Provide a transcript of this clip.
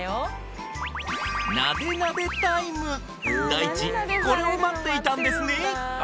いちこれを待っていたんですね